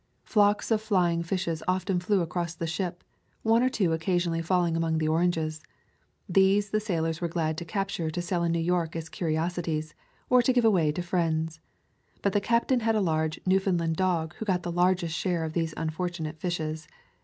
Flocks of flying fishes often flew across the ship, one or two occasionally falling among the oranges. These the sailors were glad to capture to sell in New York as curiosities, or to give away to friends. But the captain had a large Newfoundland dog who got the largest share of these unfortunate fishes.